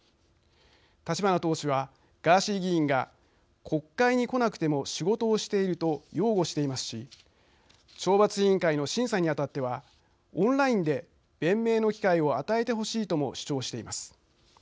立花党首はガーシー議員が国会に来なくても仕事をしていると擁護していますし懲罰委員会の審査にあたってはオンラインで弁明の機会を与えてほしいとも主張しています。